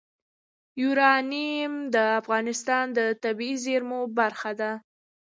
یورانیم د افغانستان د طبیعي زیرمو برخه ده.